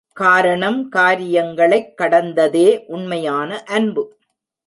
காரணம், காரியங்களைக் கடந்ததே உண்மையான அன்பு.